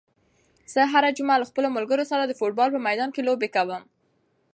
زه هره جمعه له خپلو ملګرو سره د فوټبال په میدان کې لوبې کوم.